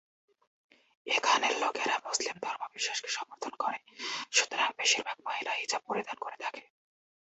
এখানের লোকেরা মুসলিম ধর্ম বিশ্বাসকে সমর্থন করে সুতরাং বেশিরভাগ মহিলা হিজাব পরিধান করে থাকে।